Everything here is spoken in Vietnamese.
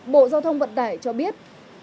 bộ giao thông vận tải cho biết